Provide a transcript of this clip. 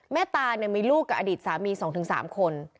แม่ตาเนี่ยมีลูกกับอดิตสามีสองถึงสามคน